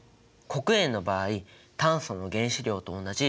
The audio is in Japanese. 黒鉛の場合炭素の原子量と同じ１２。